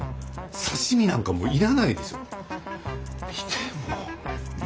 刺身なんかもう要らないでしょ。